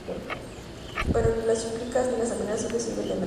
Pero ni las súplicas ni las amenazas le sirven de nada.